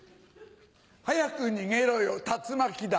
早く逃げろよ竜巻だ。